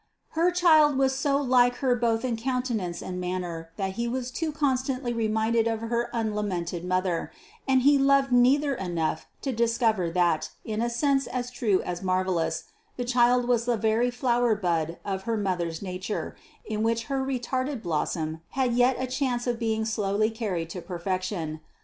Her child was so like her both in countenance and manner that he was too constantly reminded of her unlamented mother; and he loved neither enough to discover that, in a sense as true as marvellous, the child was the very flower bud of her mother's nature, in which her retarded blossom had yet a chance of being slowly carried to perfection.